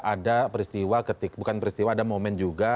ada peristiwa ketika bukan peristiwa ada momen juga